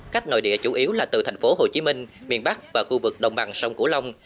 khách nội địa chủ yếu là từ thành phố hồ chí minh miền bắc và khu vực đồng bằng sông cửu long